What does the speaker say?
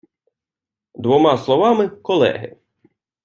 Двома словами, колеги!